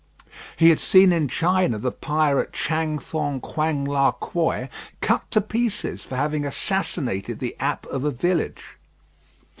He had seen in China the pirate Chanh thong quan larh Quoi cut to pieces for having assassinated the Ap of a village.